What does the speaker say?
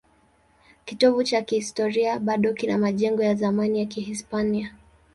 Kitovu cha kihistoria bado kina majengo ya zamani ya Kihispania.